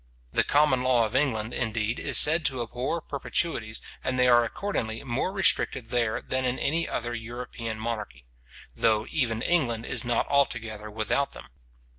The common law of England, indeed, is said to abhor perpetuities, and they are accordingly more restricted there than in any other European monarchy; though even England is not altogether without them.